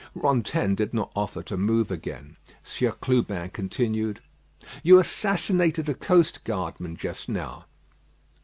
Rantaine did not offer to move again. Sieur Clubin continued: "You assassinated a coast guardman just now."